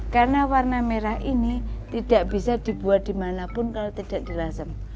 karena warna merah ini tidak bisa dibuat dimanapun kalau tidak di lasem